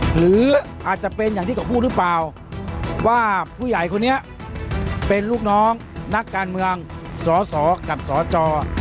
หรืออาจจะเป็นอย่างที่เขาพูดหรือเปล่าว่าผู้ใหญ่คนนี้เป็นลูกน้องนักการเมืองสสกับสจ